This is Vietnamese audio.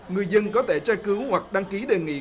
người dân có thể tra cứu hoặc đăng ký đề nghị